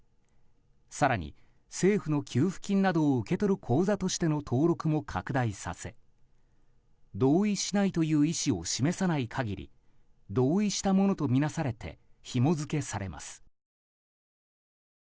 更に、政府の給付金などを受け取る口座としての登録も拡大させ同意しないという意思を示さない限り同意したものとみなされてひもづけされます。